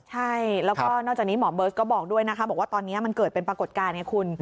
ใช่แล้วก็นอกจากนี้หมอเบิร์ตก็บอกด้วยนะคะบอกว่าตอนนี้มันเกิดเป็นปรากฏการณ์ไงคุณ